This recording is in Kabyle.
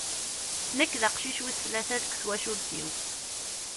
Nek d aqcic wis tlata deg twacult-iw.